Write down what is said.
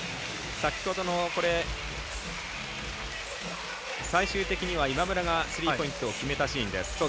先ほどの最終的には今村がスリーポイントを決めたシーン。